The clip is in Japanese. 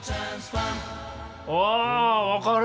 あ分かる。